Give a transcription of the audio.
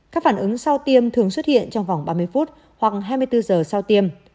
các phản ứng sau tiêm thường xuất hiện trong vòng ba mươi phút hoặc hai mươi bốn giờ sau tiêm